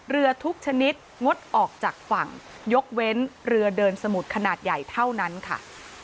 เรือทุกชนิดงดออกจากฝั่งยกเว้นเรือเดินสมุดขนาดใหญ่เท่านั้นค่ะ